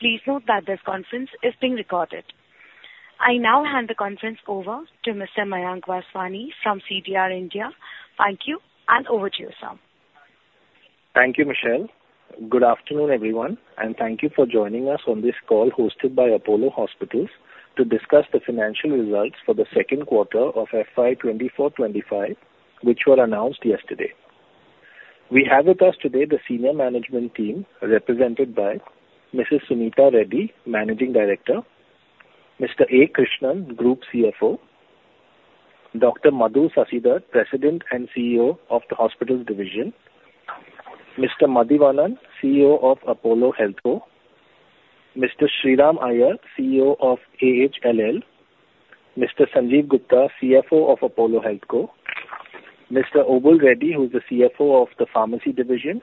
Please note that this conference is being recorded. I now hand the conference over to Mr. Mayank Vaswani from CDR India. Thank you, and over to you, sir. Thank you, Michelle. Good afternoon, everyone, and thank you for joining us on this call hosted by Apollo Hospitals to discuss the financial results for the second quarter of FY 24-25, which were announced yesterday. We have with us today the senior management team, represented by Ms. Suneeta Reddy, Managing Director, Mr. A. Krishnan, Group CFO, Dr. Madhu Sasidhar, President and CEO of the Hospitals Division, Mr. Madhivanan Balakrishnan, CEO of Apollo HealthCo, Mr. Sriram Iyer, CEO of AHLL, Mr. Sanjiv Gupta, CFO of Apollo HealthCo, Mr. Obul Reddy, who is the CFO of the Pharmacy Division,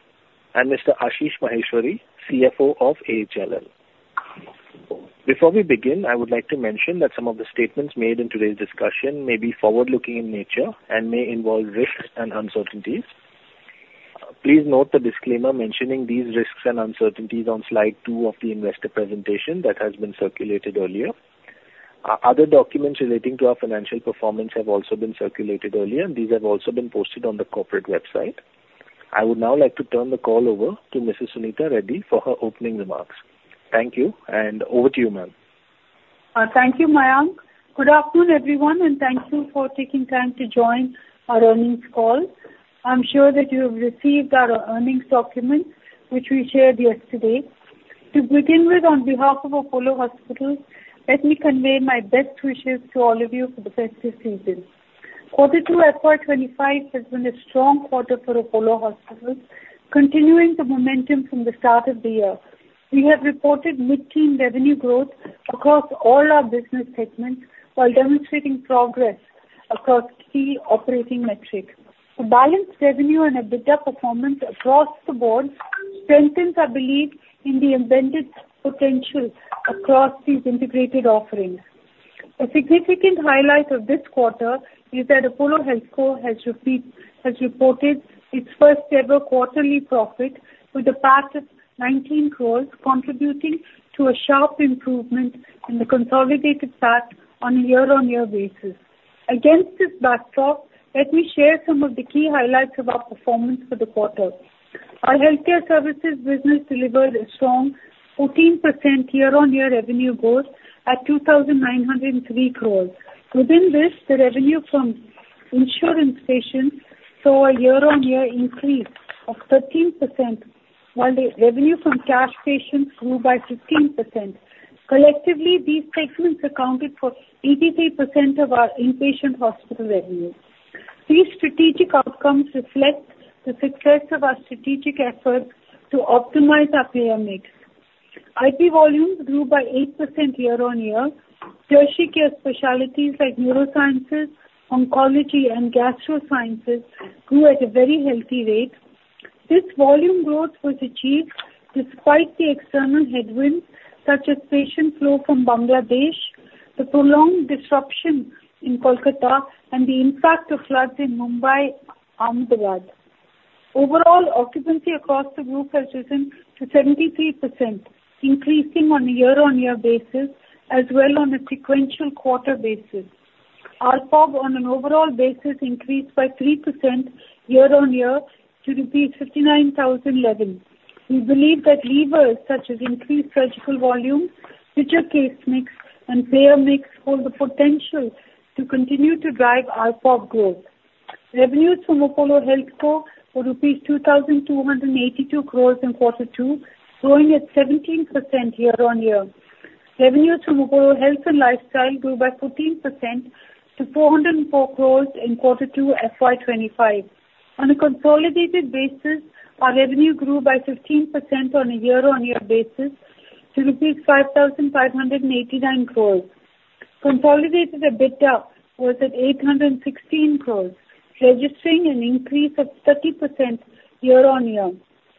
and Mr. Ashish Maheshwari, CFO of AHLL. Before we begin, I would like to mention that some of the statements made in today's discussion may be forward-looking in nature and may involve risks and uncertainties. Please note the disclaimer mentioning these risks and uncertainties on slide two of the investor presentation that has been circulated earlier. Other documents relating to our financial performance have also been circulated earlier, and these have also been posted on the corporate website. I would now like to turn the call over to Mrs. Suneeta Reddy for her opening remarks. Thank you, and over to you, ma'am. Thank you, Mayank. Good afternoon, everyone, and thank you for taking time to join our earnings call. I'm sure that you have received our earnings document, which we shared yesterday. To begin with, on behalf of Apollo Hospitals, let me convey my best wishes to all of you for the festive season. Quarter two of FY 25 has been a strong quarter for Apollo Hospitals, continuing the momentum from the start of the year. We have reported mid-teens revenue growth across all our business segments while demonstrating progress across key operating metrics. The balanced revenue and EBITDA performance across the board strengthens our belief in the embedded potential across these integrated offerings. A significant highlight of this quarter is that Apollo HealthCo has reported its first-ever quarterly profit with a PAT of 19 crore, contributing to a sharp improvement in the consolidated PAT on a year-on-year basis. Against this backdrop, let me share some of the key highlights of our performance for the quarter. Our healthcare services business delivered a strong 14% year-on-year revenue growth at 2,903 crores. Within this, the revenue from insurance patients saw a year-on-year increase of 13%, while the revenue from cash patients grew by 15%. Collectively, these segments accounted for 83% of our inpatient hospital revenue. These strategic outcomes reflect the success of our strategic efforts to optimize our payer mix. IP volumes grew by 8% year-on-year. Tertiary care specialties like neurosciences, oncology, and gastro sciences grew at a very healthy rate. This volume growth was achieved despite the external headwinds such as patient flow from Bangladesh, the prolonged disruption in Kolkata, and the impact of floods in Mumbai and Ahmedabad. Overall, occupancy across the group has risen to 73%, increasing on a year-on-year basis as well as on a sequential quarter basis. Our ARPOB on an overall basis increased by 3% year-on-year to 59,011. We believe that levers such as increased surgical volume, future case mix, and payer mix hold the potential to continue to drive our ARPOB growth. Revenues from Apollo HealthCo were rupees 2,282 crores in quarter two, growing at 17% year-on-year. Revenues from Apollo Health & Lifestyle grew by 14% to 404 crores in quarter two of FY 25. On a consolidated basis, our revenue grew by 15% on a year-on-year basis to rupees 5,589 crores. Consolidated EBITDA was at 816 crores, registering an increase of 30% year-on-year.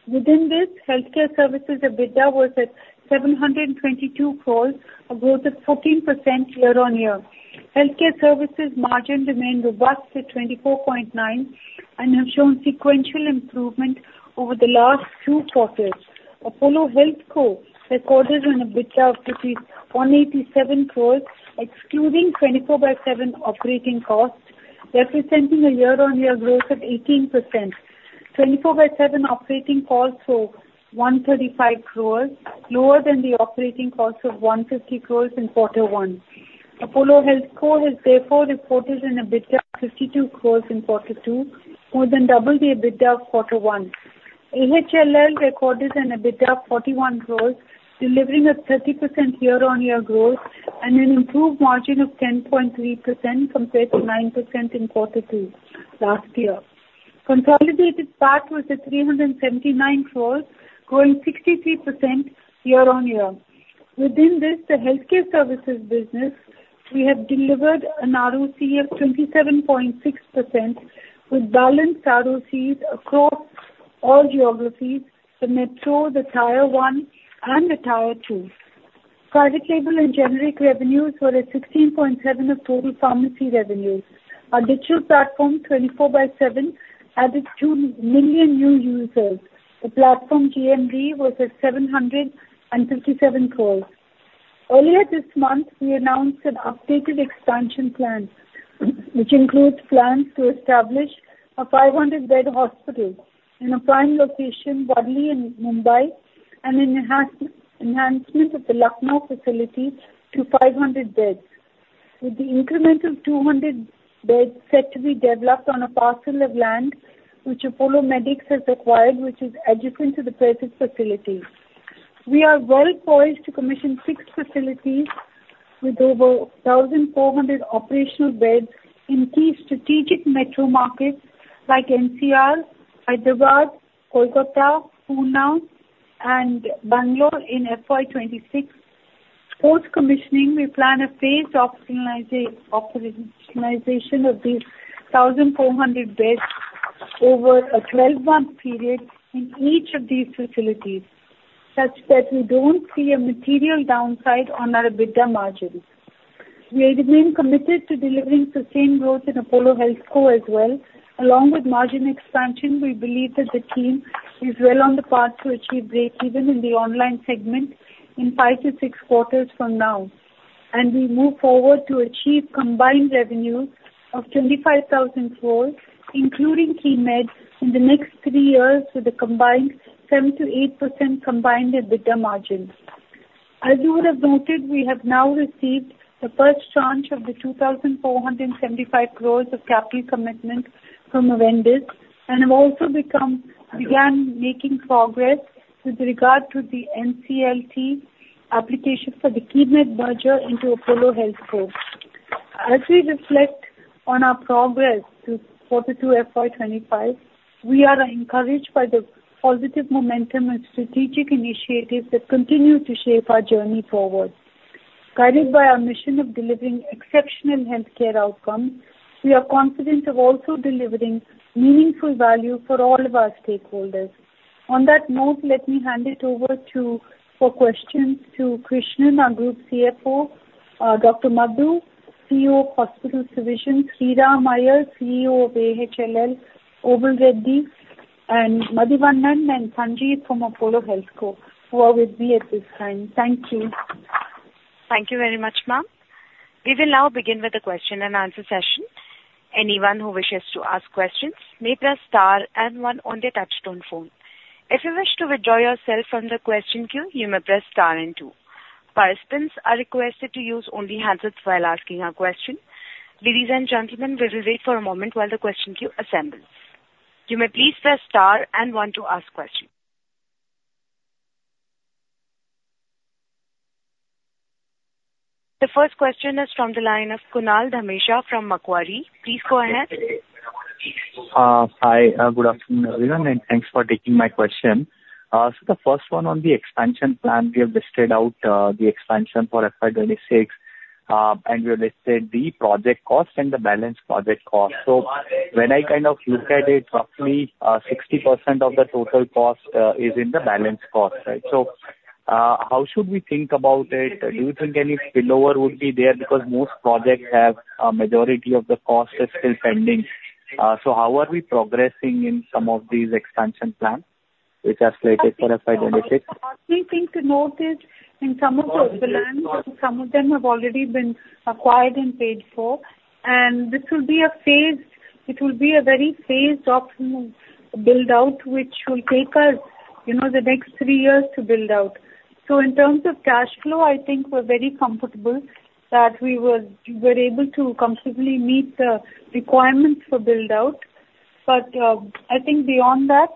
Within this, healthcare services EBITDA was at 722 crores, a growth of 14% year-on-year. Healthcare services margin remained robust at 24.9% and have shown sequential improvement over the last two quarters. Apollo HealthCo recorded an EBITDA of INR 187 crores, excluding 24/7 operating costs, representing a year-on-year growth of 18%. 24/7 operating costs were 135 crores, lower than the operating costs of 150 crores in quarter one. Apollo HealthCo has therefore reported an EBITDA of 52 crores in quarter two, more than double the EBITDA of quarter one. AHLL recorded an EBITDA of 41 crores, delivering a 30% year-on-year growth and an improved margin of 10.3% compared to 9% in quarter two last year. Consolidated PAT was at 379 crores, growing 63% year-on-year. Within this, the healthcare services business, we have delivered an ROC of 27.6% with balanced ROCs across all geographies, the Metro, the Tier One, and the Tier Two. Private label and generic revenues were at 16.7% of total pharmacy revenues. Our digital platform, 24/7, added 2 million new users. The platform GMV was at 757 crores. Earlier this month, we announced an updated expansion plan, which includes plans to establish a 500-bed hospital in a prime location in Mumbai and an enhancement of the Lucknow facility to 500 beds, with the incremental 200 beds set to be developed on a parcel of land which Apollo Medics has acquired, which is adjacent to the present facility. We are well poised to commission six facilities with over 1,400 operational beds in key strategic metro markets like NCR, Hyderabad, Kolkata, Pune, and Bangalore in FY 26. Post-commissioning, we plan a phased operationalization of these 1,400 beds over a 12-month period in each of these facilities, such that we don't see a material downside on our EBITDA margins. We remain committed to delivering sustained growth in Apollo HealthCo as well. Along with margin expansion, we believe that the team is well on the path to achieve break-even in the online segment in five to six quarters from now, and we move forward to achieve combined revenue of 25,000 crores, including Keimed, in the next three years with a combined 7% to 8% combined EBITDA margin. As you would have noted, we have now received the first tranche of the 2,475 crores of capital commitment from Avendus, and have also begun making progress with regard to the NCLT application for the Keimed merger into Apollo HealthCo. As we reflect on our progress to quarter two of FY 25, we are encouraged by the positive momentum and strategic initiatives that continue to shape our journey forward. Guided by our mission of delivering exceptional healthcare outcomes, we are confident of also delivering meaningful value for all of our stakeholders. On that note, let me hand it over for questions to Krishnan, our Group CFO, Dr. Madhu, CEO of Hospitals, Suneeta, Sriram Iyer, CEO of AHLL, Obul Reddy, and Madhivanan Balakrishnan and Sanjiv Gupta from Apollo HealthCo, who are with me at this time. Thank you. Thank you very much, ma'am. We will now begin with the question and answer session. Anyone who wishes to ask questions may press star and one on the touch-tone phone. If you wish to withdraw yourself from the question queue, you may press star and two. Participants are requested to use only handsets while asking a question. Ladies and gentlemen, we will wait for a moment while the question queue assembles. You may please press star and one to ask question. The first question is from the line of Kunal Dhamesha from Macquarie. Please go ahead. Hi, good afternoon, everyone, and thanks for taking my question. So the first one on the expansion plan, we have listed out the expansion for FY 26, and we have listed the project cost and the balance project cost. So when I kind of look at it, roughly 60% of the total cost is in the balance cost. So how should we think about it? Do you think any spillover would be there? Because most projects have a majority of the cost is still pending. So how are we progressing in some of these expansion plans which are slated for FY 26? The last thing to note is in some of the plans, some of them have already been acquired and paid for, and this will be a very phased-up build-out, which will take us the next three years to build out. So in terms of cash flow, I think we're very comfortable that we were able to comfortably meet the requirements for build-out. But I think beyond that,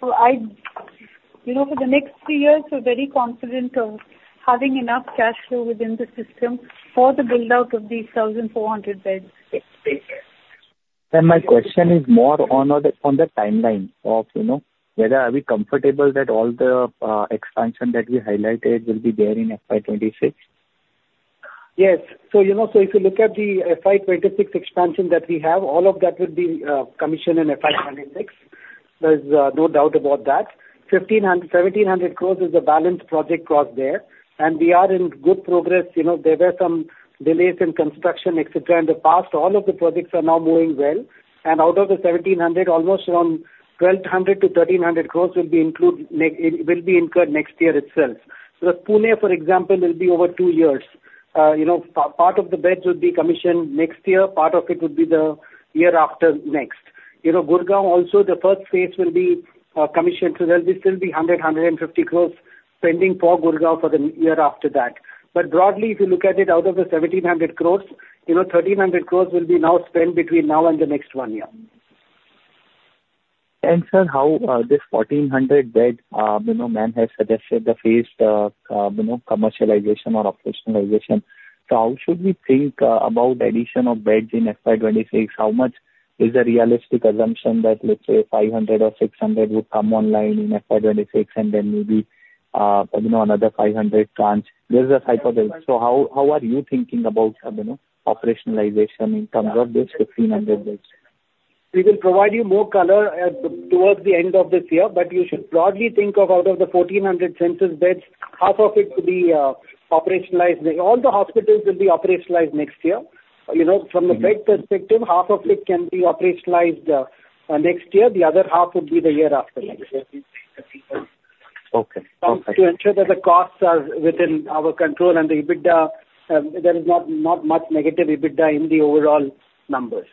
for the next three years, we're very confident of having enough cash flow within the system for the build-out of these 1,400 beds. My question is more on the timeline of whether are we comfortable that all the expansion that we highlighted will be there in FY 26? Yes. So if you look at the FY 26 expansion that we have, all of that will be commissioned in FY 26. There's no doubt about that. 1,700 crores is the balanced project cost there, and we are in good progress. There were some delays in construction, etc., in the past. All of the projects are now moving well, and out of the 1,700, almost around 1,200-1,300 crores will be incurred next year itself. So Pune, for example, will be over two years. Part of the beds will be commissioned next year. Part of it will be the year after next. Gurgaon, also, the first phase will be commissioned, so there will still be 100-150 crores pending for Gurgaon for the year after that. But broadly, if you look at it, out of the 1,700 crores, 1,300 crores will be now spent between now and the next one year. Sir, how this 1,400-bed, ma'am, has suggested the phased commercialization or operationalization. So how should we think about the addition of beds in FY 26? How much is the realistic assumption that, let's say, 500 or 600 would come online in FY 26, and then maybe another 500 tranche? There's a hypothesis. So how are you thinking about operationalization in terms of this 1,500 beds? We will provide you more color towards the end of this year, but you should broadly think of out of the 1,400 beds, half of it will be operationalized. All the hospitals will be operationalized next year. From the bed perspective, half of it can be operationalized next year. The other half would be the year after next year. Okay. To ensure that the costs are within our control and the EBITDA, there is not much negative EBITDA in the overall numbers.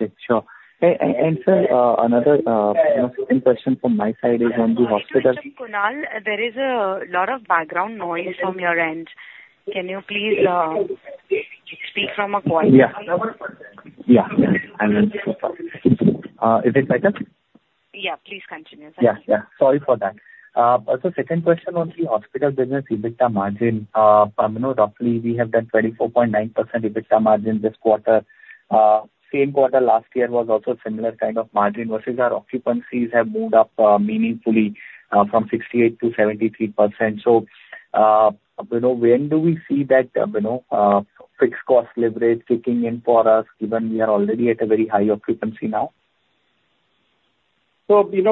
Okay. Sure. And sir, another question from my side is on the hospital. Mr. Kunal, there is a lot of background noise from your end. Can you please speak from a quieter? Yeah. Yeah. Yeah. I'm in. Is it better? Yeah. Please continue. Yeah. Yeah. Sorry for that. So second question on the hospital business, EBITDA margin. Roughly, we have done 24.9% EBITDA margin this quarter. Same quarter last year was also a similar kind of margin versus our occupancies have moved up meaningfully from 68% to 73%. So when do we see that fixed cost leverage kicking in for us, given we are already at a very high occupancy now? So you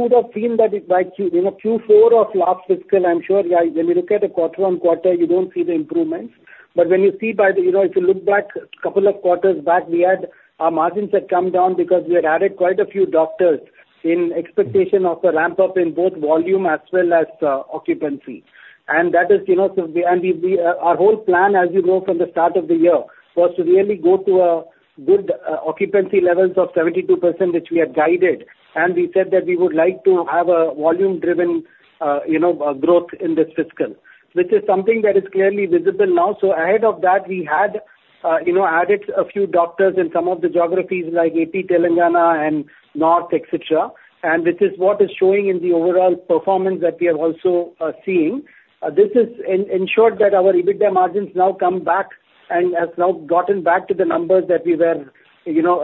would have seen that in Q4 of last fiscal, I'm sure. When you look at the quarter-on-quarter, you don't see the improvements. But when you see, if you look back a couple of quarters back, we had our margins come down because we had added quite a few doctors in expectation of a ramp-up in both volume as well as occupancy. And that is our whole plan, as you know, from the start of the year, was to really go to good occupancy levels of 72%, which we had guided, and we said that we would like to have a volume-driven growth in this fiscal, which is something that is clearly visible now. So ahead of that, we had added a few doctors in some of the geographies like AP, Telangana, and North, etc., which is what is showing in the overall performance that we are also seeing. This has ensured that our EBITDA margins now come back and have now gotten back to the numbers that we were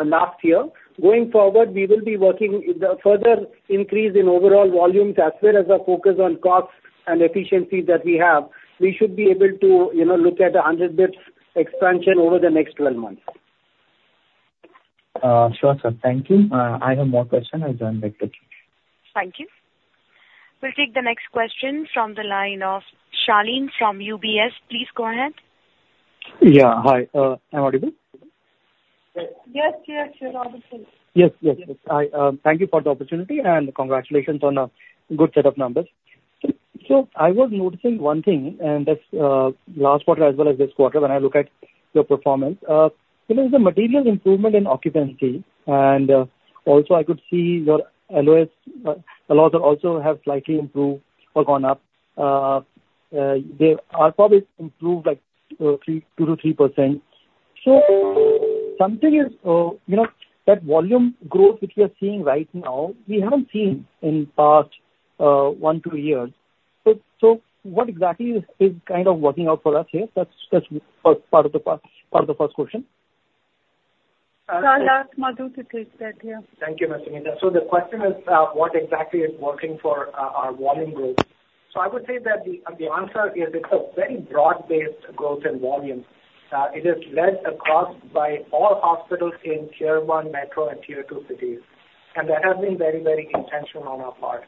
last year. Going forward, we will be working further increase in overall volumes as well as our focus on costs and efficiencies that we have. We should be able to look at a 100-bed expansion over the next 12 months. Sure, sir. Thank you. I have more questions. I'll join back to you. Thank you. We'll take the next question from the line of Shaleen from UBS. Please go ahead. Yeah. Hi. Am I audible? Yes. Yes. You're audible. Yes. Yes. Yes. Thank you for the opportunity, and congratulations on a good set of numbers. So I was noticing one thing, and that's last quarter as well as this quarter, when I look at your performance. There is a material improvement in occupancy, and also, I could see your LOS a lot also have slightly improved or gone up. They are probably improved like 2%-3%. So something is that volume growth which we are seeing right now, we haven't seen in the past one or two years. So what exactly is kind of working out for us here? That's part of the first question. Sir, let Madhu take that here. Thank you, Mr. Meena, so the question is, what exactly is working for our volume growth, so I would say that the answer is it's a very broad-based growth in volume. It is led across by all hospitals in Tier One, Metro, and Tier Two cities, and that has been very, very intentional on our part.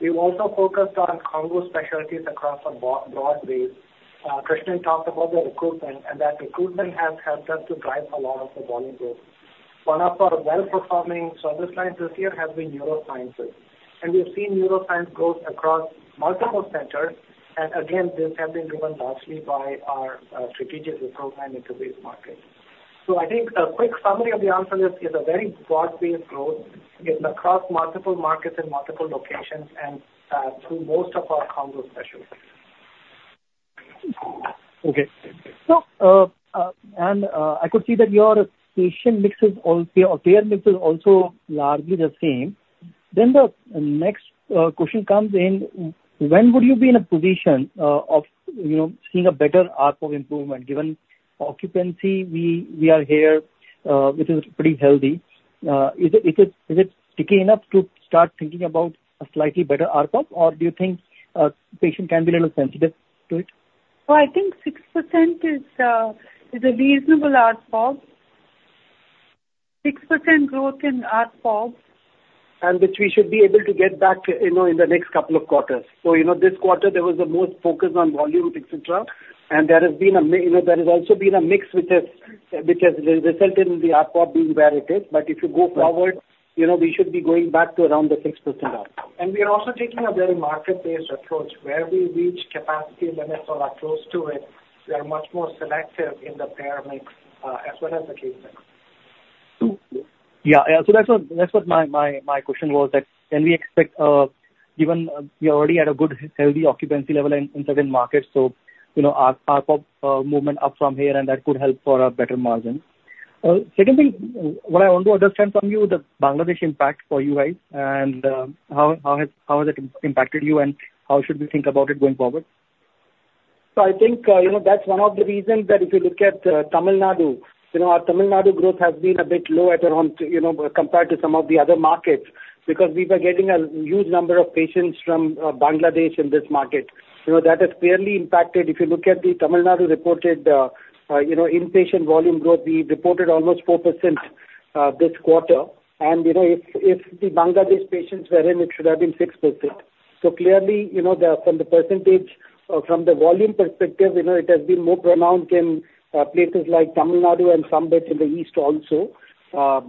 We've also focused on complex specialties across a broad base. Krishnan talked about the recruitment, and that recruitment has helped us to drive a lot of the volume growth. One of our well-performing service lines this year has been neurosciences, and we have seen neuroscience growth across multiple centers, and again, this has been driven largely by our strategic recruitment into these markets, so I think a quick summary of the answer is it's a very broad-based growth across multiple markets in multiple locations and through most of our complex specialties. Okay. And I could see that your payer mix, their mix is also largely the same. Then the next question comes in, when would you be in a position of seeing a better ARPOB of improvement? Given occupancy, we are here, which is pretty healthy. Is it sticky enough to start thinking about a slightly better ARPOB of, or do you think patients can be a little sensitive to it? I think 6% is a reasonable ARPOB. 6% growth in ARPOB. And which we should be able to get back in the next couple of quarters. So this quarter, there was the most focus on volume, etc., and there has also been a mix which has resulted in the ARPOB being where it is. But if you go forward, we should be going back to around the 6% ARPOB. And we are also taking a very market-based approach where we reach capacity limits or are close to it. We are much more selective in the payer mix as well as the case mix. That's what my question was, that can we expect given we already had a good healthy occupancy level in certain markets, so ARPOB movement up from here, and that could help for a better margin. Second thing, what I want to understand from you, the Bangladesh impact for you guys, and how has it impacted you, and how should we think about it going forward? So I think that's one of the reasons that if you look at Tamil Nadu, our Tamil Nadu growth has been a bit low at around compared to some of the other markets because we were getting a huge number of patients from Bangladesh in this market. That has clearly impacted. If you look at the Tamil Nadu reported inpatient volume growth, we reported almost 4% this quarter. And if the Bangladesh patients were in, it should have been 6%. So clearly, from the percentage or from the volume perspective, it has been more pronounced in places like Tamil Nadu and some bits in the east also.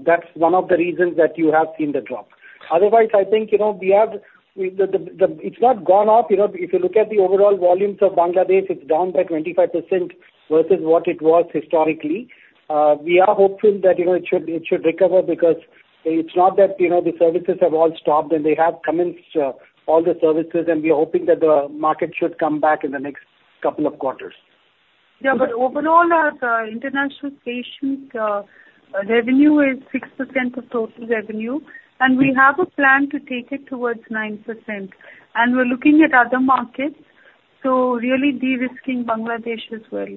That's one of the reasons that you have seen the drop. Otherwise, I think we have. It's not gone up. If you look at the overall volumes of Bangladesh, it's down by 25% versus what it was historically. We are hopeful that it should recover because it's not that the services have all stopped and they have commenced all the services, and we are hoping that the market should come back in the next couple of quarters. Yeah. But overall, our international patient revenue is 6% of total revenue, and we have a plan to take it towards 9%. And we're looking at other markets, so really de-risking Bangladesh as well.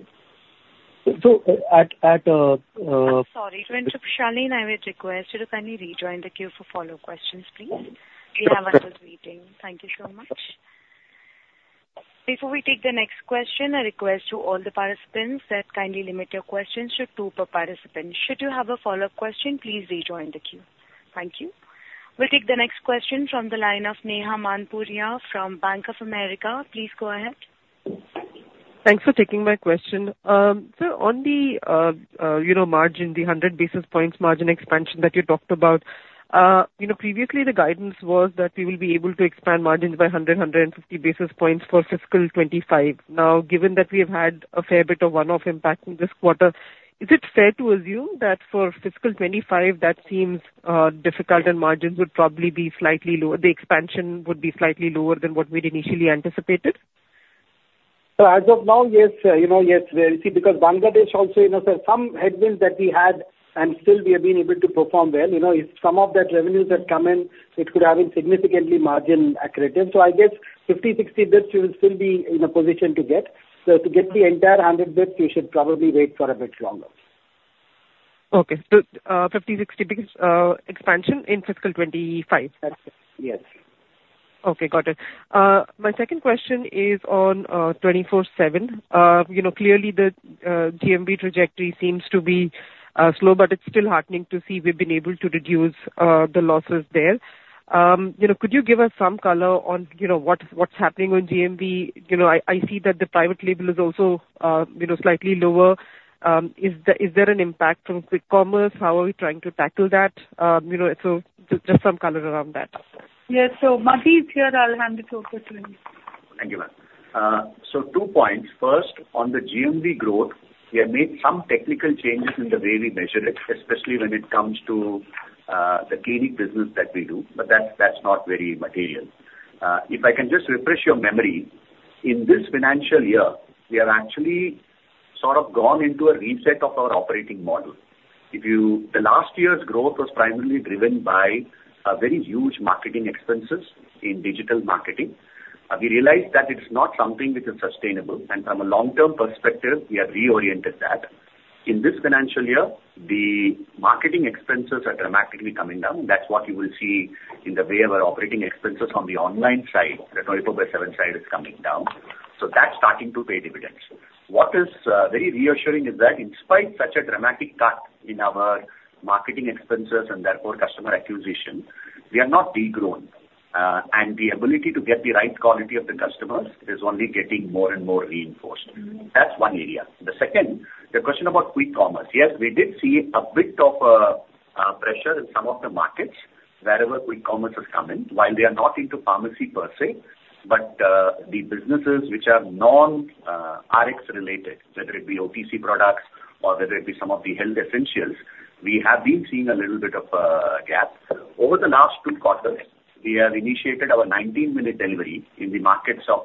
So at. Sorry to interrupt, Shaleen. I would request you to kindly rejoin the queue for follow-up questions, please. We have others waiting. Thank you so much. Before we take the next question, I request to all the participants that kindly limit your questions to two per participant. Should you have a follow-up question, please rejoin the queue. Thank you. We'll take the next question from the line of Neha Manpuria from Bank of America. Please go ahead. Thanks for taking my question. So on the margin, the 100 basis points margin expansion that you talked about, previously, the guidance was that we will be able to expand margins by 100, 150 basis points for fiscal 25. Now, given that we have had a fair bit of one-off impact in this quarter, is it fair to assume that for fiscal 25, that seems difficult and margins would probably be slightly lower, the expansion would be slightly lower than what we'd initially anticipated? So as of now, yes, yes, we see because Bangladesh also there's some headwinds that we had, and still, we have been able to perform well. If some of that revenues had come in, it could have been significantly margin accretive. So I guess 50-60 beds we will still be in a position to get. So to get the entire 100 beds, we should probably wait for a bit longer. Okay. So 50-60 beds expansion in fiscal 25? Yes. Okay. Got it. My second question is on 24/7. Clearly, the GMV trajectory seems to be slow, but it's still heartening to see we've been able to reduce the losses there. Could you give us some color on what's happening with GMV? I see that the private label is also slightly lower. Is there an impact from quick commerce? How are we trying to tackle that? So just some color around that. Yeah. So Madhu is here. I'll hand the talk to him. Thank you, ma'am. So two points. First, on the GMV growth, we have made some technical changes in the way we measure it, especially when it comes to the clinic business that we do, but that's not very material. If I can just refresh your memory, in this financial year, we have actually sort of gone into a reset of our operating model. The last year's growth was primarily driven by very huge marketing expenses in digital marketing. We realized that it's not something which is sustainable, and from a long-term perspective, we have reoriented that. In this financial year, the marketing expenses are dramatically coming down, and that's what you will see in the way of our operating expenses on the online side, the 24x7 side is coming down. So that's starting to pay dividends. What is very reassuring is that in spite of such a dramatic cut in our marketing expenses and therefore customer acquisition, we have not degrown, and the ability to get the right quality of the customers is only getting more and more reinforced. That's one area. The second, the question about quick commerce. Yes, we did see a bit of pressure in some of the markets wherever quick commerce has come in, while they are not into pharmacy per se, but the businesses which are non-Rx related, whether it be OTC products or whether it be some of the health essentials, we have been seeing a little bit of a gap. Over the last two quarters, we have initiated our 19-minute delivery in the markets of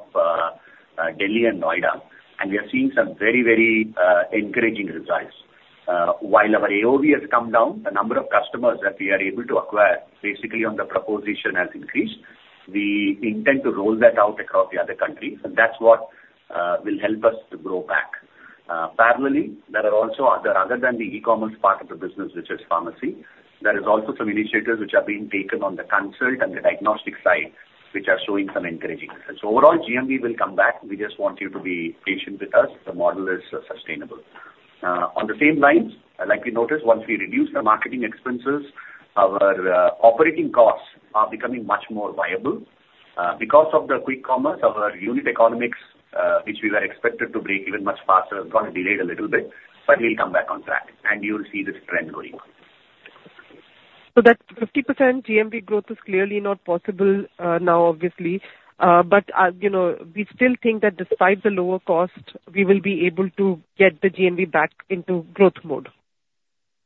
Delhi and Noida, and we are seeing some very, very encouraging results. While our AOV has come down, the number of customers that we are able to acquire basically on the proposition has increased. We intend to roll that out across the other countries, and that's what will help us to grow back. Parallelly, there are also other than the e-commerce part of the business, which is pharmacy, there are also some initiatives which are being taken on the consult and the diagnostic side, which are showing some encouraging results. So overall, GMV will come back. We just want you to be patient with us. The model is sustainable. On the same lines, like we noticed, once we reduce the marketing expenses, our operating costs are becoming much more viable. Because of the quick commerce, our unit economics, which we were expected to break even much faster, has gone delayed a little bit, but we'll come back on track, and you'll see this trend going on. So that 50% GMV growth is clearly not possible now, obviously, but we still think that despite the lower cost, we will be able to get the GMV back into growth mode?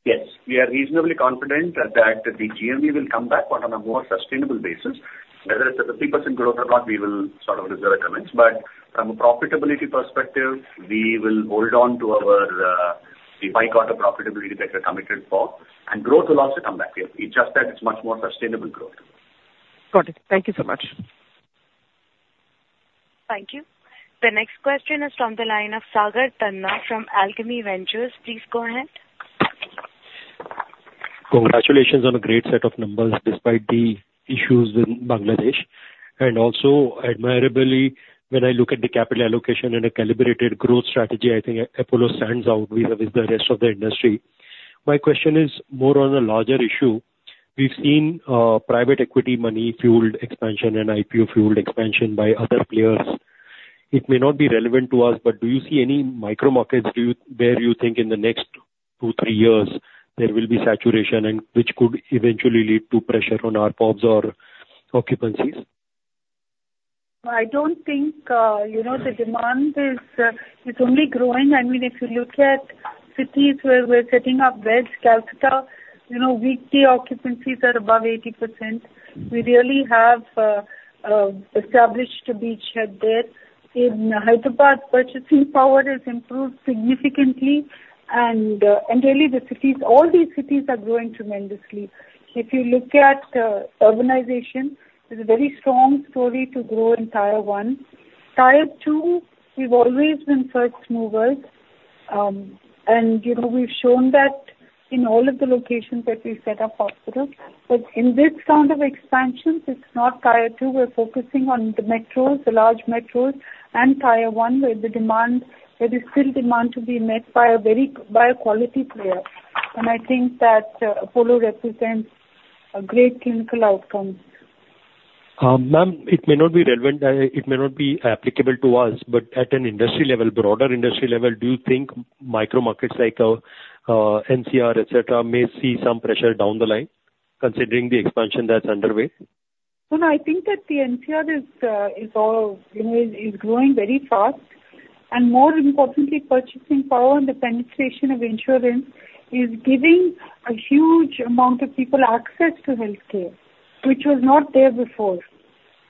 Yes. We are reasonably confident that the GMV will come back, but on a more sustainable basis. Whether it's a 50% growth or not, we will sort of reserve comments, but from a profitability perspective, we will hold on to our EBITDA profitability that we are committed for, and growth will also come back. It's just that it's much more sustainable growth. Got it. Thank you so much. Thank you. The next question is from the line of Sagar Tanna from Alchemy Ventures. Please go ahead. Congratulations on a great set of numbers despite the issues with Bangladesh, and also, admirably, when I look at the capital allocation and a calibrated growth strategy, I think Apollo stands out with the rest of the industry. My question is more on a larger issue. We've seen private equity money-fueled expansion and IPO-fueled expansion by other players. It may not be relevant to us, but do you see any micro markets where you think in the next two, three years, there will be saturation and which could eventually lead to pressure on our ARPOBs or occupancies? I don't think the demand is only growing. I mean, if you look at cities where we're setting up beds, Kolkata, weekly occupancies are above 80%. We really have established a beachhead there. In Hyderabad, purchasing power has improved significantly, and really, all these cities are growing tremendously. If you look at urbanization, there's a very strong story to grow in Tier One. Tier Two, we've always been first movers, and we've shown that in all of the locations that we've set up hospitals. But in this round of expansions, it's not Tier Two. We're focusing on the metros, the large metros, and Tier One, where there is still demand to be met by a quality player. I think that Apollo represents great clinical outcomes. Ma'am, it may not be relevant. It may not be applicable to us, but at an industry level, broader industry level, do you think micro markets like NCR, etc., may see some pressure down the line considering the expansion that's underway? I think that the NCR is growing very fast, and more importantly, purchasing power and the penetration of insurance is giving a huge amount of people access to healthcare, which was not there before.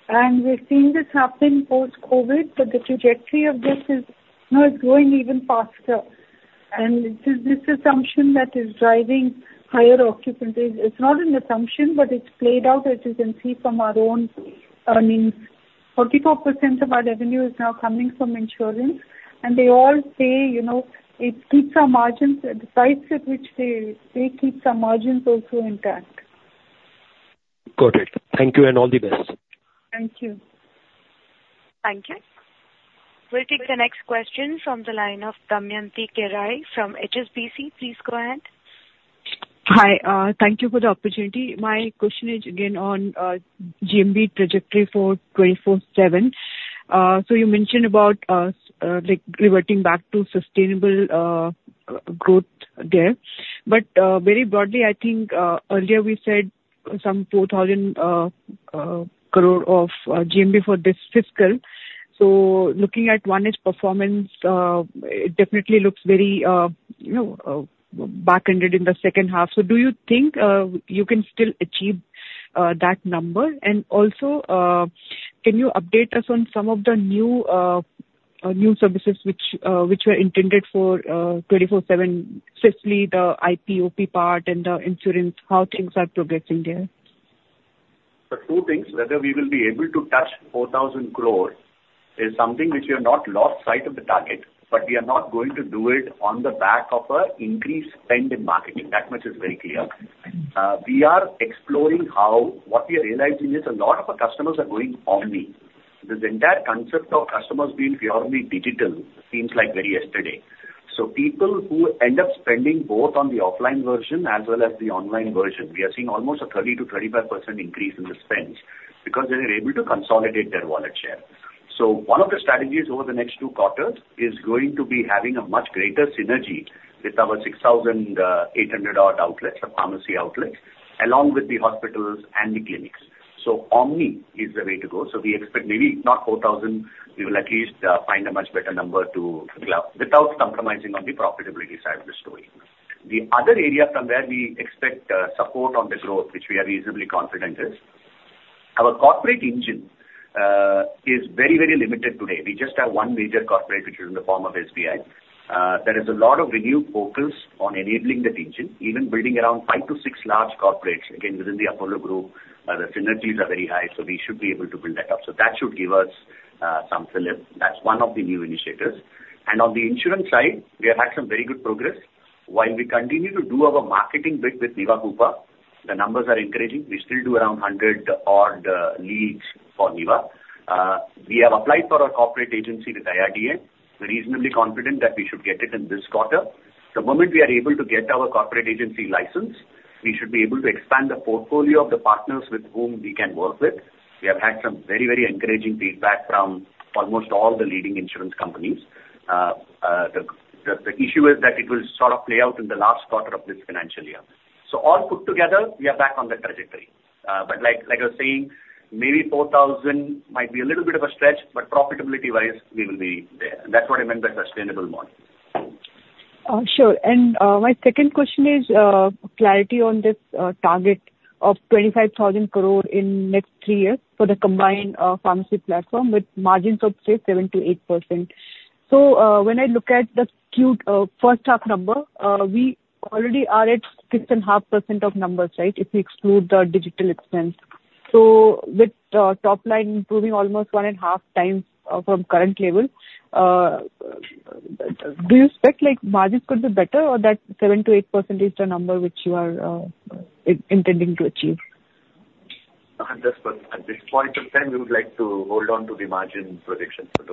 We've seen this happen post-COVID, but the trajectory of this is growing even faster. This assumption that is driving higher occupancies, it's not an assumption, but it's played out, as you can see from our own earnings. 44% of our revenue is now coming from insurance, and they all say it keeps our margins, the sites at which they keep our margins also intact. Got it. Thank you, and all the best. Thank you. Thank you. We'll take the next question from the line of Damayanti Kerai from HSBC. Please go ahead. Hi. Thank you for the opportunity. My question is again on GMV trajectory for 24|7. So you mentioned about reverting back to sustainable growth there. But very broadly, I think earlier we said some 4,000 crore of GMV for this fiscal. So looking at Q1-ish performance, it definitely looks very back-ended in the second half. So do you think you can still achieve that number? And also, can you update us on some of the new services which were intended for 24|7, especially the IP/OP part and the insurance, how things are progressing there? The two things, whether we will be able to touch 4,000 crore, is something which we have not lost sight of the target, but we are not going to do it on the back of an increased spend in marketing. That much is very clear. We are exploring how what we are realizing is a lot of our customers are going omni. The entire concept of customers being purely digital seems like very yesterday. So people who end up spending both on the offline version as well as the online version, we have seen almost a 30%-35% increase in the spend because they are able to consolidate their wallet share. So one of the strategies over the next two quarters is going to be having a much greater synergy with our 6,800-odd outlets, the pharmacy outlets, along with the hospitals and the clinics. So omni is the way to go. We expect maybe not 4,000. We will at least find a much better number to without compromising on the profitability side of the story. The other area from where we expect support on the growth, which we are reasonably confident, is our corporate engine is very, very limited today. We just have one major corporate, which is in the form of SBI. There is a lot of renewed focus on enabling that engine, even building around five to six large corporates, again, within the Apollo Group. The synergies are very high, so we should be able to build that up. So that should give us some slip. That is one of the new initiatives. And on the insurance side, we have had some very good progress. While we continue to do our marketing bit with Niva Bupa, the numbers are encouraging. We still do around 100-odd leads for Niva. We have applied for our corporate agency with IRDAI. We're reasonably confident that we should get it in this quarter. The moment we are able to get our corporate agency license, we should be able to expand the portfolio of the partners with whom we can work with. We have had some very, very encouraging feedback from almost all the leading insurance companies. The issue is that it will sort of play out in the last quarter of this financial year. So all put together, we are back on the trajectory. But like I was saying, maybe 4,000 might be a little bit of a stretch, but profitability-wise, we will be there. And that's what I meant by sustainable model. Sure. And my second question is clarity on this target of 25,000 crore in next three years for the combined pharmacy platform with margins of, say, 7%-8%. So when I look at the first half number, we already are at 6.5% of numbers, right, if we exclude the digital expense. So with top line improving almost one and a half times from current level, do you expect margins could be better, or that 7%-8% is the number which you are intending to achieve? At this point in time, we would like to hold on to the margin predictions for.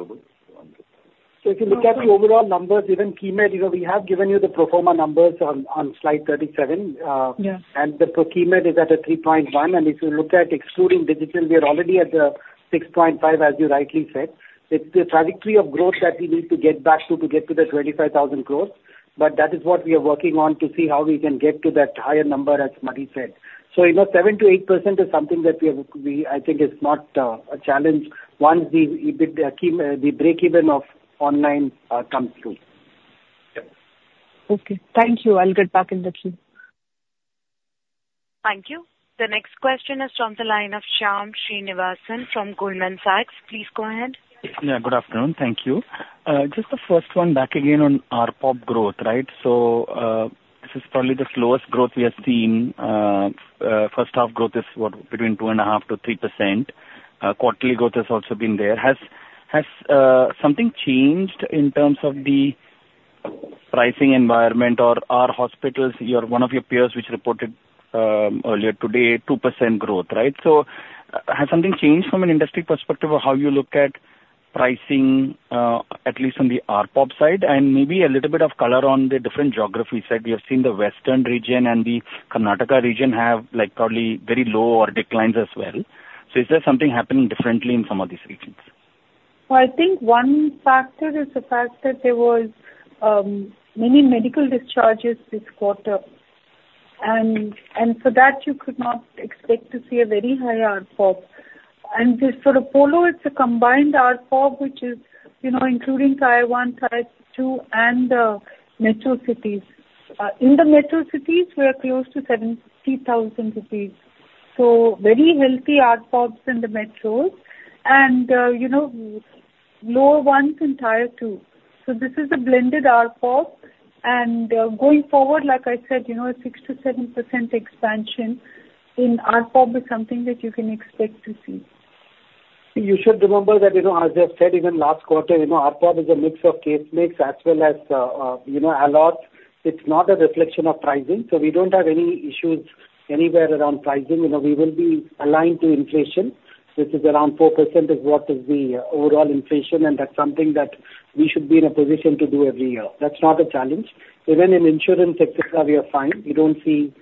If you look at the overall numbers, even Keimed, we have given you the proforma numbers on slide 37, and the per Keimed is at a 3.1. If you look at excluding digital, we are already at the 6.5, as you rightly said. It's the trajectory of growth that we need to get back to get to the 25,000 crore, but that is what we are working on to see how we can get to that higher number, as Madhu said. 7%-8% is something that I think is not a challenge once the breakeven of online comes through. Yep. Okay. Thank you. I'll get back in the queue. Thank you. The next question is from the line of Shyam Srinivasan from Goldman Sachs. Please go ahead. Good afternoon. Thank you. Just the first one back again on our POB growth, right? So this is probably the slowest growth we have seen. First half growth is between 2.5%-3%. Quarterly growth has also been there. Has something changed in terms of the pricing environment, or are hospitals one of your peers which reported earlier today, 2% growth, right? So has something changed from an industry perspective of how you look at pricing, at least on the ARPOB side, and maybe a little bit of color on the different geographies that we have seen the Western region and the Karnataka region have probably very low or declines as well? So is there something happening differently in some of these regions? I think one factor is the fact that there were many medical discharges this quarter, and for that, you could not expect to see a very high ARPOB. For Apollo, it's a combined ARPOB, which is including tier one, tier two, and metro cities. In the metro cities, we are close to 70,000 rupees. Very healthy ARPOBs in the metros and lower ones in tier two. This is a blended ARPOB, and going forward, like I said, a 6%-7% expansion in ARPOB is something that you can expect to see. You should remember that, as I've said, even last quarter, ARPOB is a mix of case mix as well as ALOS. It's not a reflection of pricing, so we don't have any issues anywhere around pricing. We will be aligned to inflation, which is around 4% is what is the overall inflation, and that's something that we should be in a position to do every year. That's not a challenge. Even in insurance, etc., we are fine. We don't see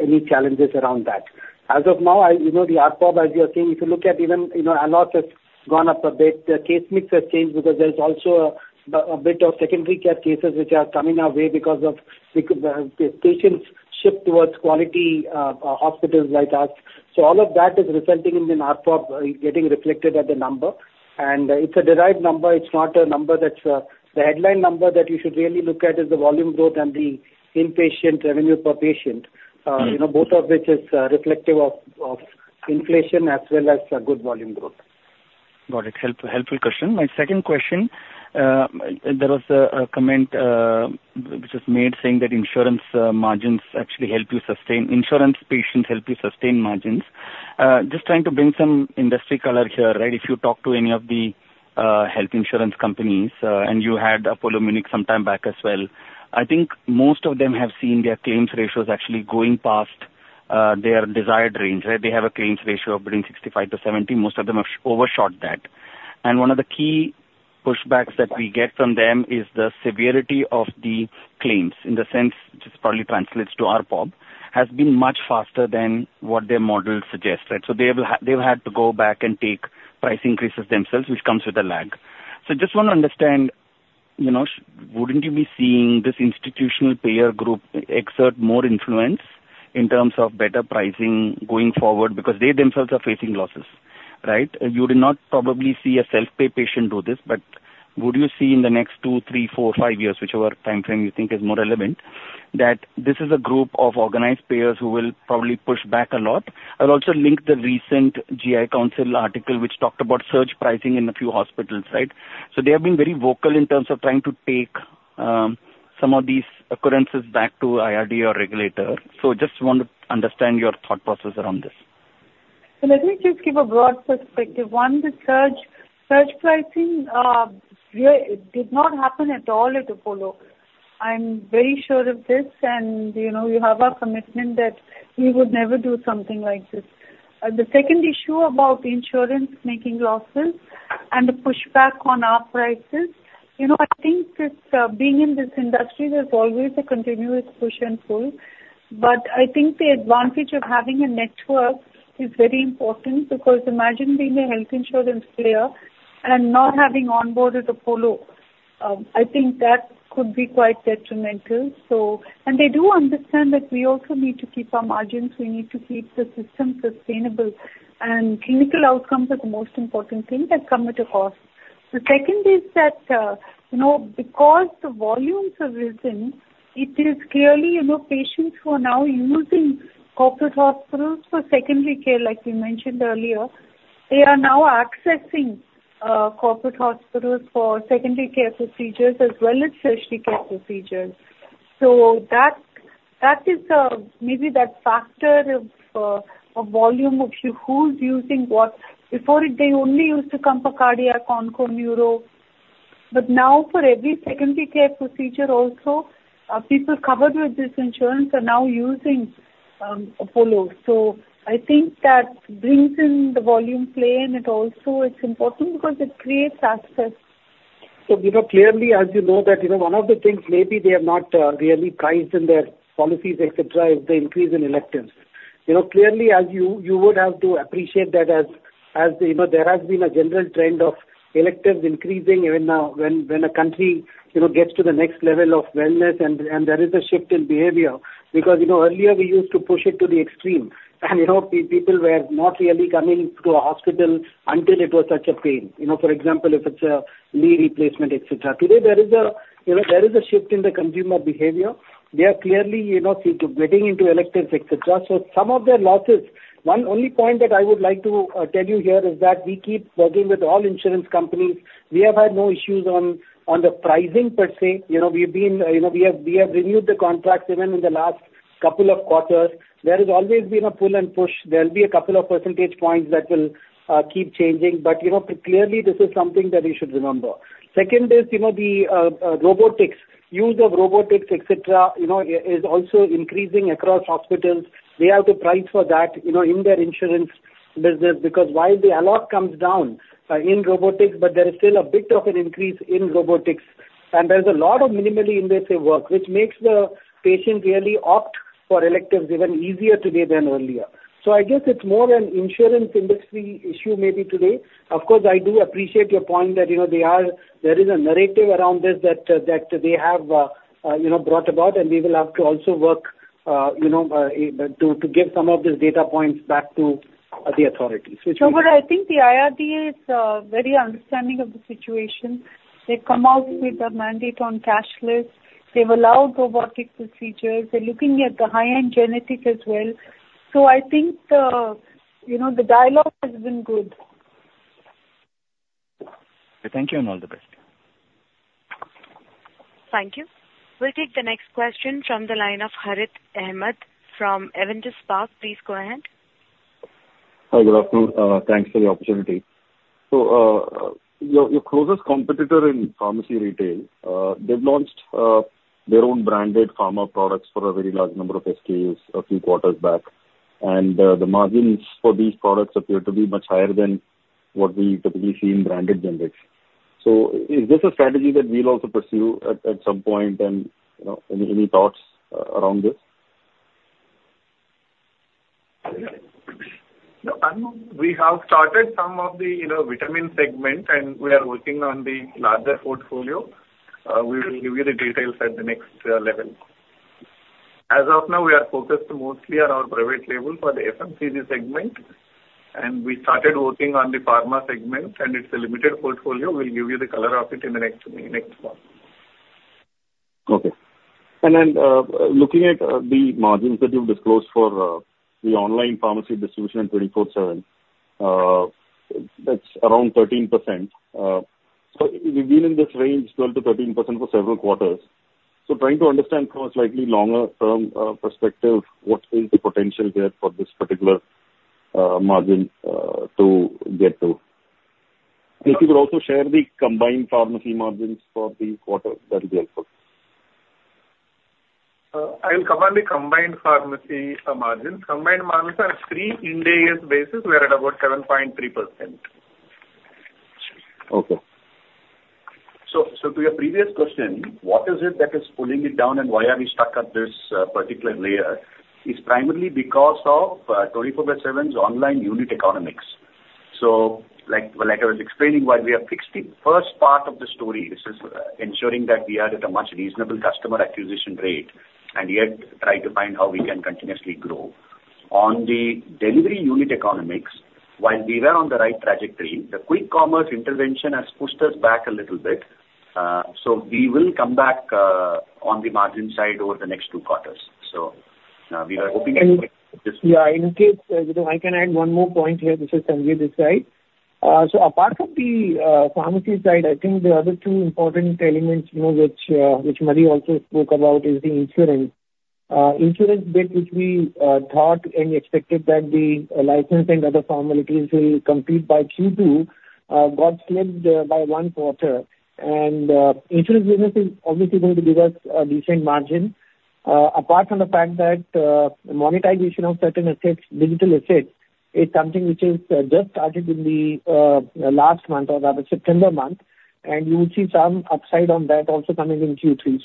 any challenges around that. As of now, the ARPOB, as you are saying, if you look at even ALOS has gone up a bit. The case mix has changed because there's also a bit of secondary care cases which are coming our way because of patients shift towards quality hospitals like us. So all of that is resulting in the ARPOB getting reflected at the number, and it's a derived number. It's not a number that's the headline number. That you should really look at is the volume growth and the inpatient revenue per patient, both of which is reflective of inflation as well as good volume growth. Got it. Helpful question. My second question, there was a comment which was made saying that insurance margins actually help you sustain insurance patients help you sustain margins. Just trying to bring some industry color here, right? If you talk to any of the health insurance companies, and you had Apollo Munich some time back as well, I think most of them have seen their claims ratios actually going past their desired range, right? They have a claims ratio of between 65%-70%. Most of them have overshot that, and one of the key pushbacks that we get from them is the severity of the claims in the sense this probably translates to ARPOB has been much faster than what their model suggests, right? So they've had to go back and take price increases themselves, which comes with a lag. So just want to understand, wouldn't you be seeing this institutional payer group exert more influence in terms of better pricing going forward because they themselves are facing losses, right? You did not probably see a self-pay patient do this, but would you see in the next two, three, four, five years, whichever timeframe you think is more relevant, that this is a group of organized payers who will probably push back a lot? I'll also link the recent General Insurance Council article which talked about surge pricing in a few hospitals, right? So just want to understand your thought process around this. So let me just give a broad perspective. One, the surge pricing did not happen at all at Apollo. I'm very sure of this, and you have our commitment that we would never do something like this. The second issue about insurance making losses and the pushback on our prices, I think being in this industry, there's always a continuous push and pull. But I think the advantage of having a network is very important because imagine being a health insurance player and not having onboarded Apollo. I think that could be quite detrimental. And they do understand that we also need to keep our margins. We need to keep the system sustainable, and clinical outcomes are the most important thing that come at a cost. The second is that because the volumes have risen, it is clearly patients who are now using corporate hospitals for secondary care, like you mentioned earlier. They are now accessing corporate hospitals for secondary care procedures as well as surgical procedures. So that is maybe that factor of volume of who's using what. Before, they only used to come for cardiac, onco, neuro, but now for every secondary care procedure, also people covered with this insurance are now using Apollo. So I think that brings in the volume play, and it also is important because it creates assets. So clearly, as you know, that one of the things maybe they have not really priced in their policies, etc., is the increase in electives. Clearly, you would have to appreciate that as there has been a general trend of electives increasing even now when a country gets to the next level of wellness, and there is a shift in behavior because earlier we used to push it to the extreme, and people were not really coming to a hospital until it was such a pain. For example, if it's a knee replacement, etc. Today, there is a shift in the consumer behavior. They are clearly getting into electives, etc. So some of their losses. One only point that I would like to tell you here is that we keep working with all insurance companies. We have had no issues on the pricing, per se. We have renewed the contracts even in the last couple of quarters. There has always been a pull and push. There will be a couple of percentage points that will keep changing, but clearly, this is something that we should remember. Second is the robotics. Use of robotics, etc., is also increasing across hospitals. They have to price for that in their insurance business because while the ALOS comes down in robotics, but there is still a bit of an increase in robotics, and there's a lot of minimally invasive work, which makes the patient really opt for electives even easier today than earlier. So I guess it's more an insurance industry issue maybe today. Of course, I do appreciate your point that there is a narrative around this that they have brought about, and we will have to also work to give some of these data points back to the authorities, which we. But I think the IRDAI is very understanding of the situation. They've come out with a mandate on cashless. They've allowed robotic procedures. They're looking at the high-end genetics as well. So I think the dialogue has been good. Thank you and all the best. Thank you. We'll take the next question from the line of Harith Ahamed from Avendus Spark. Please go ahead. Hi, good afternoon. Thanks for the opportunity. So your closest competitor in pharmacy retail, they've launched their own branded pharma products for a very large number of SKUs a few quarters back, and the margins for these products appear to be much higher than what we typically see in branded generics. So is this a strategy that we'll also pursue at some point, and any thoughts around this? We have started some of the vitamin segment, and we are working on the larger portfolio. We will give you the details at the next level. As of now, we are focused mostly on our private label for the FMCG segment, and we started working on the pharma segment, and it's a limited portfolio. We'll give you the color of it in the next one. Okay. And then looking at the margins that you've disclosed for the online pharmacy distribution at 24/7, that's around 13%. So we've been in this range, 12%-13% for several quarters. So trying to understand from a slightly longer-term perspective, what is the potential there for this particular margin to get to? And if you could also share the combined pharmacy margins for the quarter, that would be helpful. I'll cover the combined pharmacy margins. Combined margins are 300 basis points. We are at about 7.3%. Okay. So, to your previous question, what is it that is pulling it down and why are we stuck at this particular layer? It's primarily because of 24/7's online unit economics. So like I was explaining why we are fixed in the first part of the story, this is ensuring that we are at a much reasonable customer acquisition rate, and yet try to find how we can continuously grow. On the delivery unit economics, while we were on the right trajectory, the quick commerce intervention has pushed us back a little bit. So we will come back on the margin side over the next two quarters. So we are hoping to. Yeah. In case I can add one more point here, this is Sanjiv's side. So apart from the pharmacy side, I think the other two important elements which Madhu also spoke about is the insurance. Insurance bit, which we thought and expected that the license and other formalities will complete by Q2, got slipped by one quarter, and insurance business is obviously going to give us a decent margin. Apart from the fact that monetization of certain assets, digital assets, is something which has just started in the last month, around September month, and you will see some upside on that also coming in Q3.